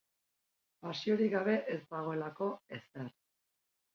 Pasiorik gabe ez dagoelako ezer.